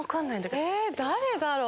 え誰だろう？